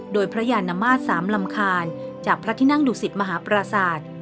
โดยพระยานมาตร๓ลำคาญจากพระที่นั่งดุสิตมหาปราศาสตร์